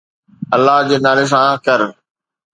الله جي نالي سان ڪر